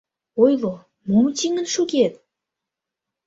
— Ойло, мом тӱҥын шогет?